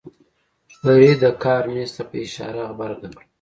فريدې د کار مېز ته په اشاره غبرګه کړه.